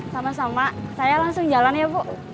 sama sama saya langsung jalan ya bu